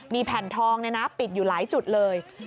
มีแผ่นทองปิดอยู่หลายจุดเลย